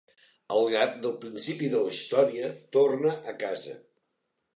El gat del principi de la història torna a casa.